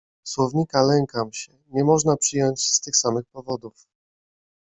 "Słownika lękam się, nie można przyjąć z tych samych powodów."